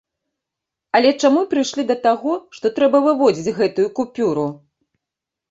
Але чаму прыйшлі да таго, што трэба выводзіць гэтую купюру?